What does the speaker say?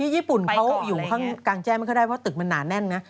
นี่ญี่ปุ่นเธออยู่ข้างกลางแจ้วไม่ได้เพราะว่าตึกมันหนาแน่นนะ